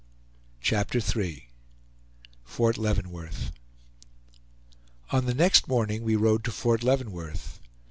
CHAPTER III FORT LEAVENWORTH On the next morning we rode to Fort Leavenworth.